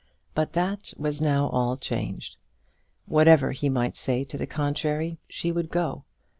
But that was now all changed. Whatever he might say to the contrary, she would go.